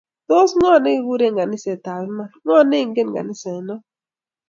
Tos ng'o nekikuree kaniset ab iman? Ng'o neinget kaniset not?